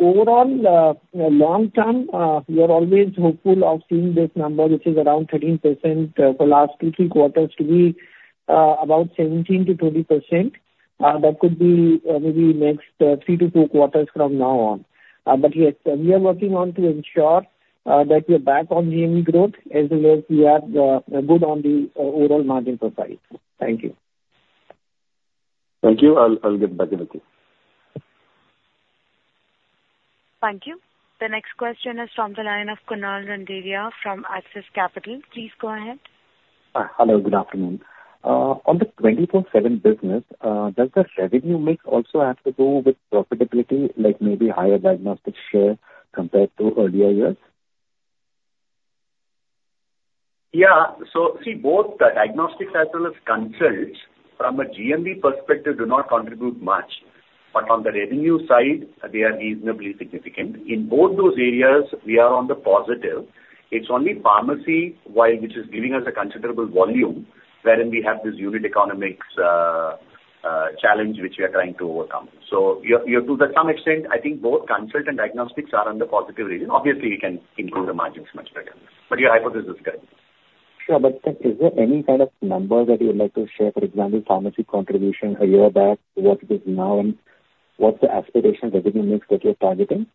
So overall, long term, we are always hopeful of seeing this number, which is around 13% for the last two, three quarters, to be about 17%-20%. That could be maybe next three to four quarters from now on, but yes, we are working on to ensure that we are back on GMV growth as well as we are good on the overall margin profile. Thank you. Thank you. I'll get back in a few. Thank you. The next question is from the line of Kunal Randeria from Axis Capital. Please go ahead. Hello. Good afternoon. On the 24/7 business, does the revenue mix also have to do with profitability, like maybe higher diagnostics share compared to earlier years? Yeah. So see, both diagnostics as well as consult, from a GMV perspective, do not contribute much. But on the revenue side, they are reasonably significant. In both those areas, we are on the positive. It's only pharmacy which is giving us a considerable volume wherein we have this unit economics challenge which we are trying to overcome. So to some extent, I think both consult and diagnostics are on the positive region. Obviously, we can improve the margins much better, but your hypothesis is correct. Sure, but is there any kind of number that you would like to share, for example, pharmacy contribution a year back, what it is now, and what's the aspiration revenue mix that you're targeting?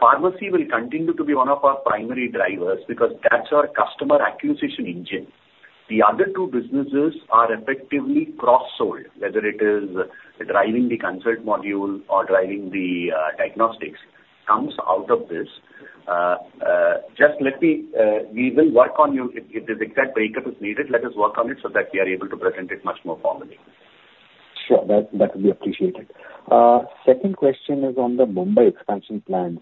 Pharmacy will continue to be one of our primary drivers because that's our customer acquisition engine. The other two businesses are effectively cross-sold, whether it is driving the consult module or driving the diagnostics. Comes out of this. Just let me, we will work on it. If there's exact breakup is needed, let us work on it so that we are able to present it much more formally. Sure. That would be appreciated. Second question is on the Mumbai expansion plans.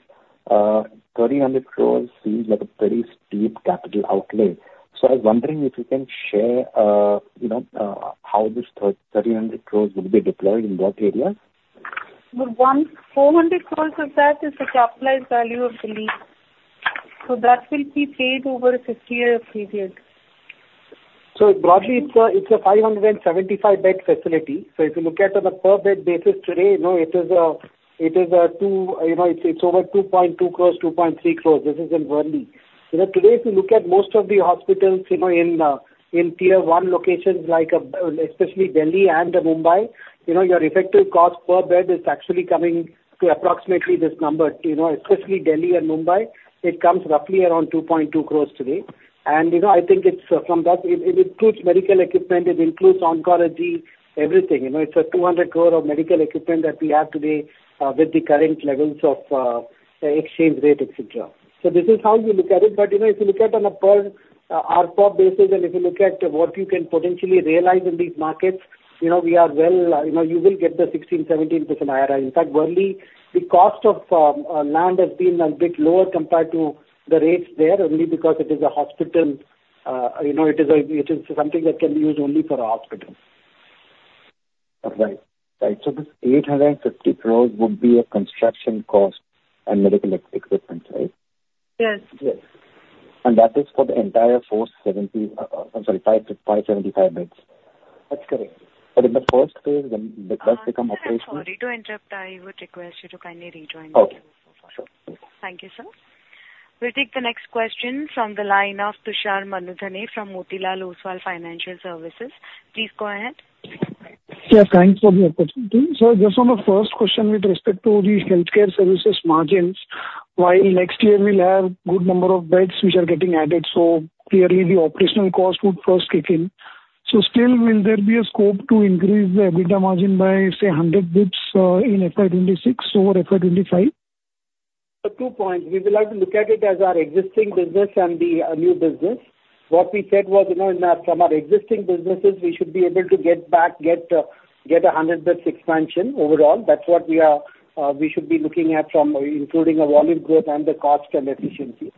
300 crore seems like a pretty steep capital outlay. So I was wondering if you can share how this 300 crore will be deployed in what areas? 400 crores of that is the capitalized value of the lease. So that will be paid over a 50-year period. Broadly, it's a 575-bed facility. If you look at it on a per-bed basis today, it is it's over 2.2 crores-2.3 crores. This is in Worli. Today, if you look at most of the hospitals in tier-one locations, especially Delhi and Mumbai, your effective cost per bed is actually coming to approximately this number. Especially Delhi and Mumbai, it comes roughly around 2.2 crores today. And I think it's from that, it includes medical equipment, it includes oncology, everything. It's 200 crores of medical equipment that we have today with the current levels of exchange rate, etc. This is how you look at it. But if you look at it on a per ARPOB basis, and if you look at what you can potentially realize in these markets, well you will get the 16%-17% IRR. In fact, Worli, the cost of land has been a bit lower compared to the rates there, only because it is a hospital. It is something that can be used only for a hospital. Right. Right. So this 850 crores would be a construction cost and medical equipment, right? Yes. Yes. And that is for the entire 470, I'm sorry, 575 beds. That's correct. But in the first phase, does it become operational? Sorry to interrupt. I would request you to kindly rejoin the line for a moment. Okay. Sure. Thank you, sir. We'll take the next question from the line of Tushar Manudhane from Motilal Oswal Financial Services. Please go ahead. Yes. Thanks for the opportunity. So just on the first question with respect to the healthcare services margins, while next year we'll have a good number of beds which are getting added, so clearly the operational cost would first kick in. So still, will there be a scope to increase the EBITDA margin by, say, 100 basis points in FY26 or FY25? Two points. We will have to look at it as our existing business and the new business. What we said was from our existing businesses, we should be able to get back, get a 100-bed expansion overall. That's what we should be looking at from including a volume growth and the cost and efficiency.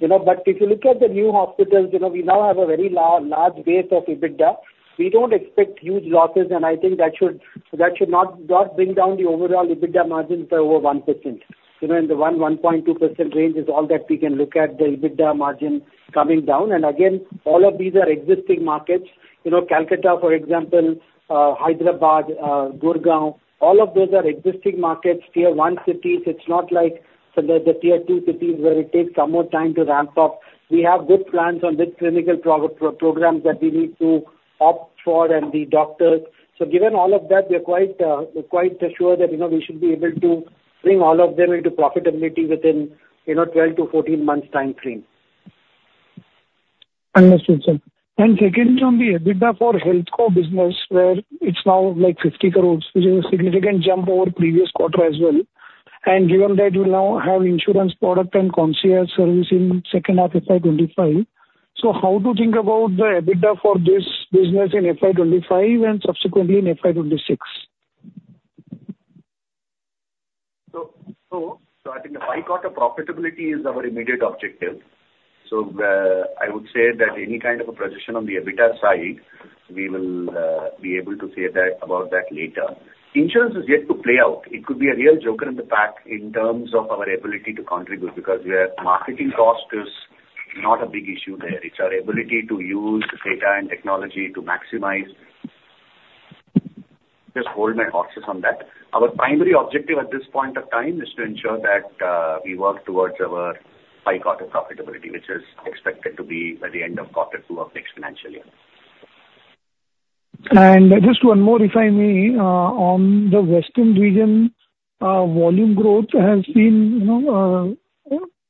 But if you look at the new hospitals, we now have a very large base of EBITDA. We don't expect huge losses, and I think that should not bring down the overall EBITDA margin by over 1%. In the 1-1.2% range is all that we can look at, the EBITDA margin coming down. And again, all of these are existing markets. Kolkata, for example, Hyderabad, Gurgaon, all of those are existing markets, tier-one cities. It's not like the tier-2 cities where it takes some more time to ramp up. We have good plans on this clinical program that we need to opt for and the doctors. So given all of that, we are quite sure that we should be able to bring all of them into profitability within 12-14 months' time frame. Understood, sir. And second, on the EBITDA for healthcare business, where it's now like 50 crores, which is a significant jump over previous quarter as well. And given that we now have insurance product and concierge services in second half of FY25, so how to think about the EBITDA for this business in FY25 and subsequently in FY26? So I think the breakeven of profitability is our immediate objective. So I would say that any kind of a position on the EBITDA side, we will be able to say about that later. Insurance is yet to play out. It could be a real joker in the pack in terms of our ability to contribute because marketing cost is not a big issue there. It's our ability to use data and technology to maximize. Just hold my horses on that. Our primary objective at this point of time is to ensure that we work towards our breakeven of profitability, which is expected to be by the end of quarter two of next financial year. And just one more, if I may, on the Western region, volume growth has been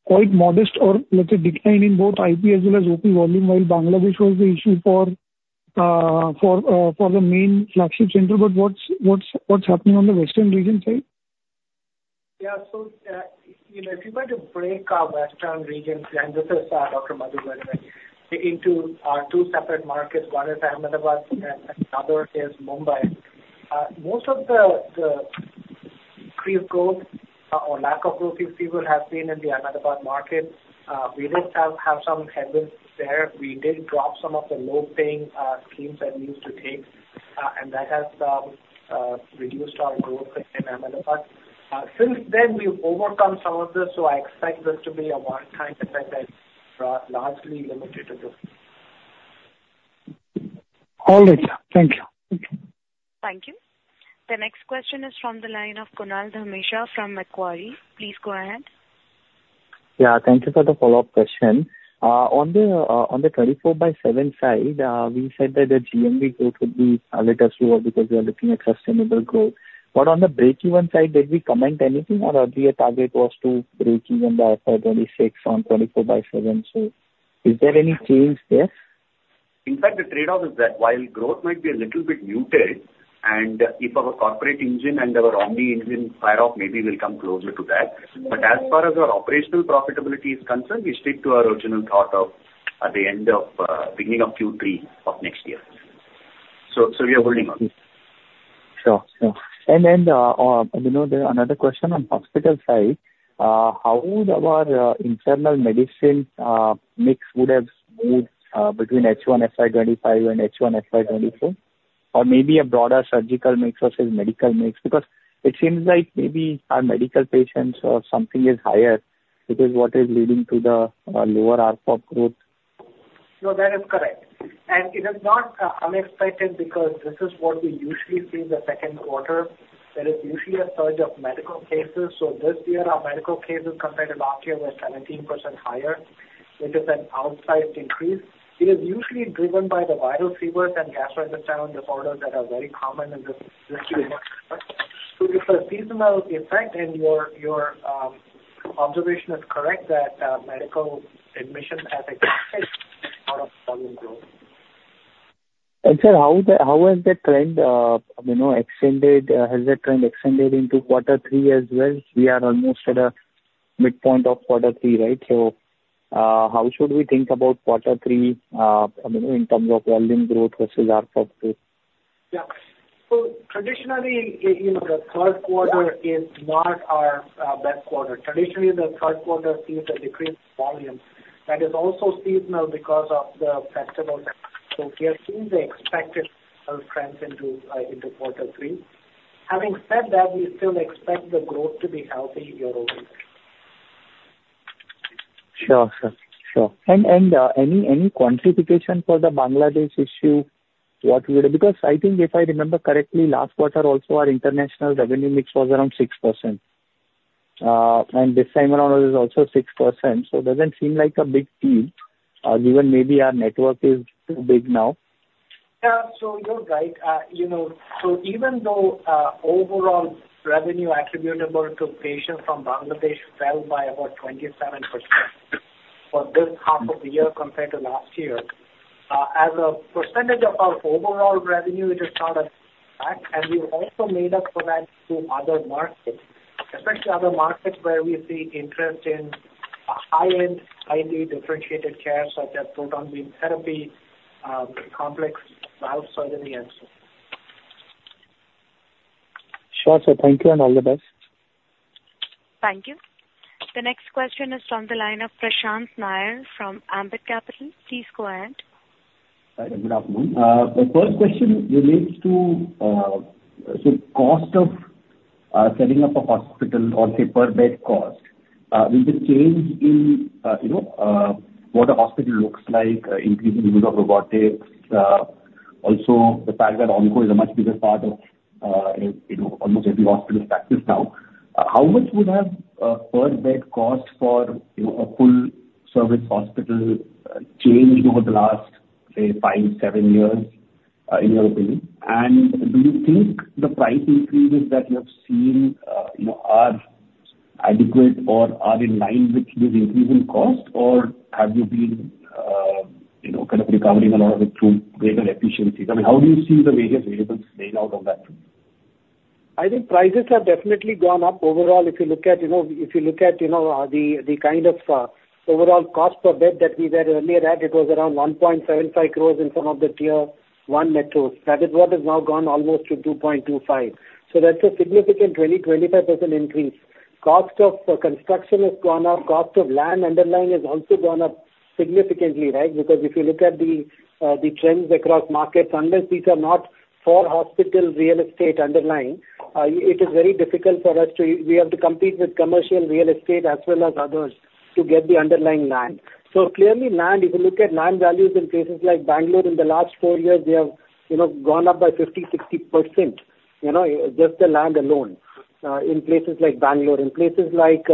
quite modest or, let's say, declining in both IP as well as OP volume, while Bangladesh was the issue for the main flagship center. But what's happening on the Western region side? Yeah. So if you were to break our Western region, and this is Dr. Madhu's point, into two separate markets, one is Ahmedabad and the other is Mumbai. Most of the growth or lack of growth, if you will, has been in the Ahmedabad market. We did have some headwinds there. We did drop some of the low-paying schemes that we used to take, and that has reduced our growth in Ahmedabad. Since then, we've overcome some of this, so I expect this to be a one-time effect that is largely limited to this. All right. Thank you. Thank you. The next question is from the line of Kunal Dhamesha from Macquarie. Please go ahead. Yeah. Thank you for the follow-up question. On the 24/7 side, we said that the GMV growth would be a little slower because we are looking at sustainable growth. But on the break-even side, did we comment anything, or the target was to break even by FY26 on 24/7? So is there any change there? In fact, the trade-off is that while growth might be a little bit muted, and if our corporate engine and our Omni engine fire off, maybe we'll come closer to that. But as far as our operational profitability is concerned, we stick to our original thought of at the end of beginning of Q3 of next year. So we are holding on. Sure. Sure. And then another question on hospital side, how would our internal medicine mix move between H1-FY25 and H1-FY24, or maybe a broader surgical mix versus medical mix? Because it seems like maybe our medical patients or something is higher. It is what is leading to the lower ARPOB growth. No, that is correct. And it is not unexpected because this is what we usually see in the second quarter. There is usually a surge of medical cases. So this year, our medical cases compared to last year were 17% higher, which is an outsized increase. It is usually driven by the viral fevers and gastrointestinal disorders that are very common in this year. So it is a seasonal effect, and your observation is correct that medical admissions have exceeded the volume growth. And sir, how has the trend extended? Has the trend extended into quarter three as well? We are almost at a midpoint of quarter three, right? So how should we think about quarter three in terms of volume growth versus ARPOB growth? Yeah. So traditionally, the third quarter is not our best quarter. Traditionally, the third quarter sees a decreased volume. That is also seasonal because of the festivals. So we are seeing the expected trends into quarter three. Having said that, we still expect the growth to be healthy year over year. Sure, sir. Sure. And any quantification for the Bangladesh issue? Because I think, if I remember correctly, last quarter also, our international revenue mix was around 6%. And this time around, it is also 6%. So it doesn't seem like a big deal, given maybe our network is too big now. Yeah. So you're right. So even though overall revenue attributable to patients from Bangladesh fell by about 27% for this half of the year compared to last year, as a percentage of our overall revenue, it is not a factor, and we also made up for that through other markets, especially other markets where we see interest in high-end highly differentiated care, such as proton beam therapy, complex valve surgery, and so on. Sure, sir. Thank you, and all the best. Thank you. The next question is from the line of Prashant Nair from Ambit Capital. Please go ahead. Hi. Good afternoon. The first question relates to the cost of setting up a hospital or a per-bed cost. Will the change in what a hospital looks like, increasing use of robotics, also the fact that OP is a much bigger part of almost every hospital's practice now, how much would the per-bed cost for a full-service hospital have changed over the last, say, five, seven years, in your opinion? And do you think the price increases that you have seen are adequate or are in line with this increase in cost, or have you been kind of recovering a lot of it through greater efficiencies? I mean, how do you see the various variables playing out on that? I think prices have definitely gone up overall. If you look at the kind of overall cost per bed that we were earlier at, it was around 1.75 crores in some of the tier-one metros. That is what has now gone almost to 2.25 crores. So that's a significant 20-25% increase. Cost of construction has gone up. Cost of land underlying has also gone up significantly, right? Because if you look at the trends across markets, unless these are not for hospital real estate underlying, it is very difficult for us to have to compete with commercial real estate as well as others to get the underlying land. So clearly, land, if you look at land values in places like Bangalore, in the last four years, they have gone up by 50-60%, just the land alone, in places like Bangalore. In places like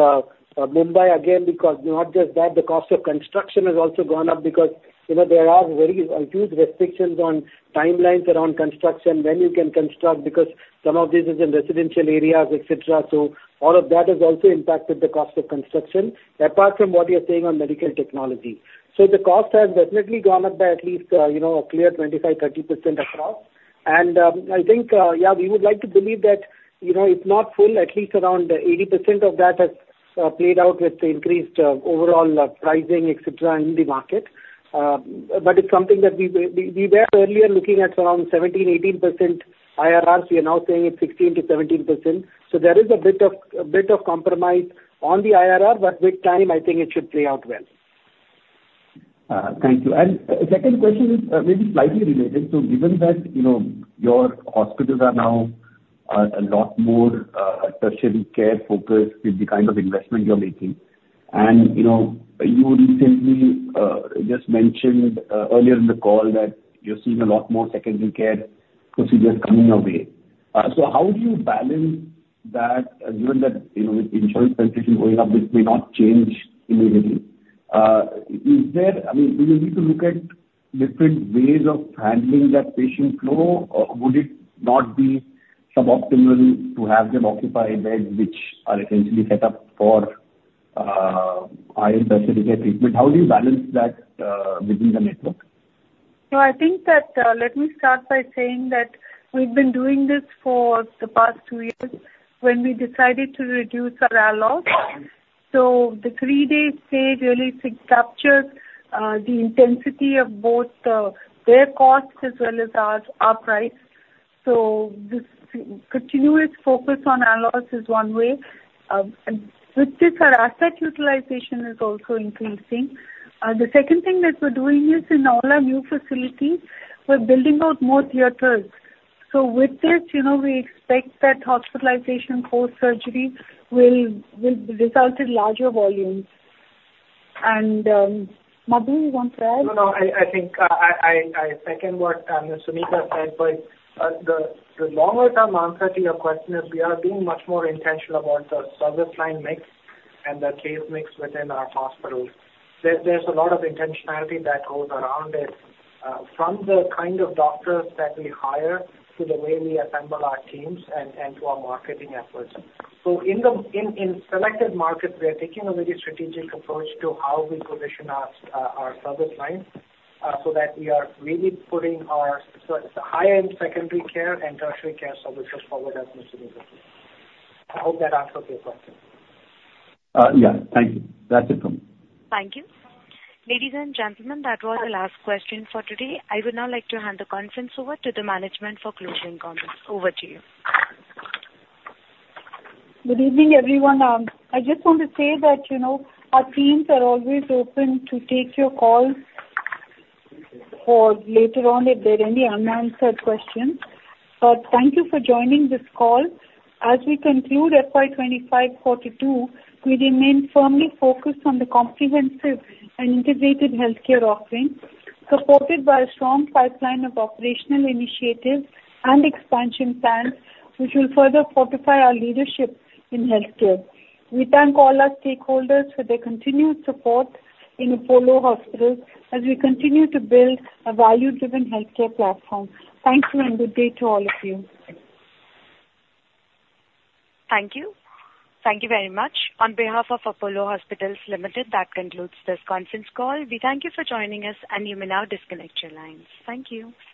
Mumbai, again, because not just that, the cost of construction has also gone up because there are very huge restrictions on timelines around construction, when you can construct, because some of this is in residential areas, etc. So all of that has also impacted the cost of construction, apart from what you're saying on medical technology. So the cost has definitely gone up by at least a clear 25%-30% across. And I think, yeah, we would like to believe that it's not full, at least around 80% of that has played out with the increased overall pricing, etc., in the market. But it's something that we were earlier looking at around 17%-18% IRRs. We are now seeing it 16%-17%. So there is a bit of compromise on the IRR, but with time, I think it should play out well. Thank you. And second question is maybe slightly related. So given that your hospitals are now a lot more tertiary care focused with the kind of investment you're making, and you recently just mentioned earlier in the call that you're seeing a lot more secondary care procedures coming your way, so how do you balance that, given that with insurance price going up, this may not change immediately? I mean, do you need to look at different ways of handling that patient flow, or would it not be suboptimal to have them occupy beds which are essentially set up for higher tertiary care treatment? How do you balance that within the network? I think that let me start by saying that we've been doing this for the past two years when we decided to reduce our ALOS. The three-day stay really captures the intensity of both their costs as well as our price. This continuous focus on ALOS is one way. With this, our asset utilization is also increasing. The second thing that we're doing is, in all our new facilities, we're building out more theaters. With this, we expect that hospitalization post-surgery will result in larger volumes. Madhu, you want to add? No, no. I think I second what Ms. Suneeta said. But the longer-term answer to your question is we are being much more intentional about the service line mix and the case mix within our hospitals. There's a lot of intentionality that goes around it, from the kind of doctors that we hire to the way we assemble our teams and to our marketing efforts. So in selected markets, we are taking a very strategic approach to how we position our service line so that we are really putting our high-end secondary care and tertiary care services forward as Ms. Suneeta said. I hope that answers your question. Yeah. Thank you. That's it from me. Thank you. Ladies and gentlemen, that was the last question for today. I would now like to hand the conference over to the management for closing comments. Over to you. Good evening, everyone. I just want to say that our teams are always open to take your calls for later on if there are any unanswered questions. But thank you for joining this call. As we conclude FY24, we remain firmly focused on the comprehensive and integrated healthcare offering, supported by a strong pipeline of operational initiatives and expansion plans, which will further fortify our leadership in healthcare. We thank all our stakeholders for their continued support in Apollo Hospitals as we continue to build a value-driven healthcare platform. Thank you, and good day to all of you. Thank you. Thank you very much. On behalf of Apollo Hospitals Limited, that concludes this conference call. We thank you for joining us, and you may now disconnect your lines. Thank you.